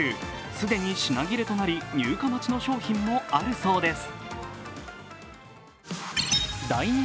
既に品切れとなり入荷待ちの商品もあるそうです。